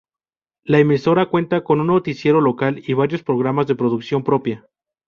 La emisora cuenta con un noticiero local y varios programas de producción propia.